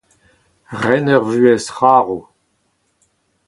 ren ur vuhez c'harv